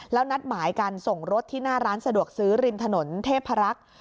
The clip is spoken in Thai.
แล้วนัดหมายกันส่งรถที่หน้าร้านสะดวกซื้อริมถนนเทพรักษ์